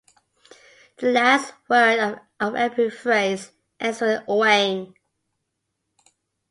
The last word of every phrase ends with '-oeng'.